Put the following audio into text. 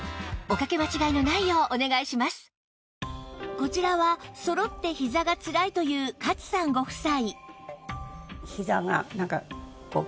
こちらはそろってひざがつらいという勝さんご夫妻